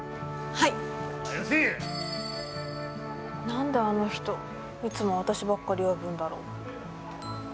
何であの人いつも私ばっかり呼ぶんだろう？